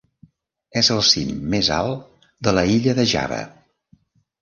És el cim més alt de l'illa de Java.